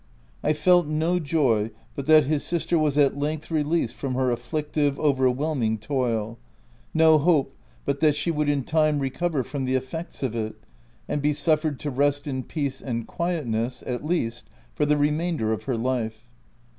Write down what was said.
I felt no joy but that his sister was at length released from her afflictive, overwhelming toil — no hope but that she would in time recover from the effects of it, and be suffered to rest in peace and quiet ness, at least, for the remainder of her life.